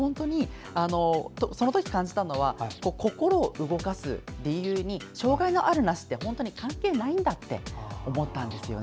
そのとき感じたのは心を動かす理由に障がいがあるなしって本当に関係ないんだって思ったんですよね。